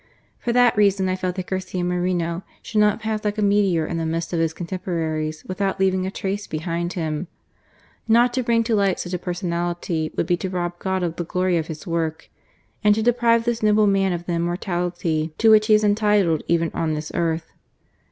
" For that reason I felt that Garcia Moreno should not pass like a meteor in the midst of his cotemporaries without leaving a trace behind him. Not to bring to light such a personality would be to rob God of the glory of His work; and to deprive this noble man of the immortality to which he is entitled even on this earth.